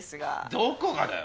どこがだよ！